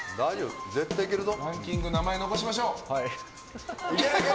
ランキング名前残しましょう。